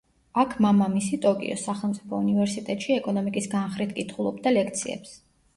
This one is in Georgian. აქ მამამისი ტოკიოს სახელმწიფო უნივერსიტეტში ეკონომიკის განხრით კითხულობდა ლექციებს.